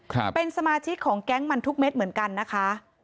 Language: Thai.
ครับเป็นสมาชิกของแก๊งมันทุกเม็ดเหมือนกันนะคะ